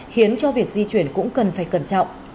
khiến cho việc di chuyển cũng cần phải cẩn trọng